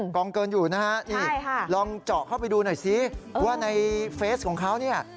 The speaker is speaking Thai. กองเกินอยู่นะฮะนี่ลองเจาะเข้าไปดูหน่อยซิว่าในเฟสของเขาเนี่ย